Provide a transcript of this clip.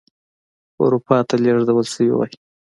اروپا ته لېږدول شوي وای.